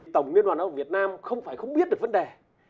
tổng liên hoàn học việt nam không phải không biết được vấn đề